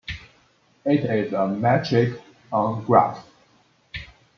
It is a metric on graphs.